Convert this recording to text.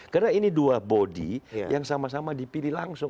karena ini dua bodi yang sama sama dipilih langsung